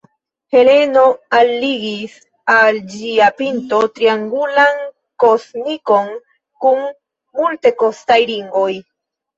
Heleno alligis al ĝia pinto triangulan kosnikon kun multekostaj ringoj.